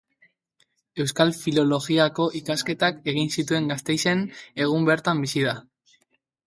Euskal Filologiako ikasketak egin zituen Gasteizen, egun, bertan bizi da.